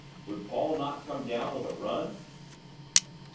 Would Paul not come down with a run?